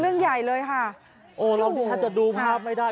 เรื่องใหญ่เลยค่ะโอ้เราถ้าจะดูภาพไม่ได้